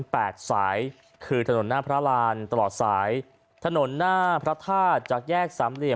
แปดสายคือถนนหน้าพระรานตลอดสายถนนหน้าพระธาตุจากแยกสามเหลี่ย